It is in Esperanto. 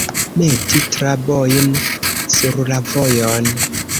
Meti trabojn sur la vojon.